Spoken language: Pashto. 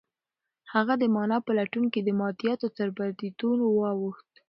هغه د مانا په لټون کې د مادیاتو تر بریدونو واوښت.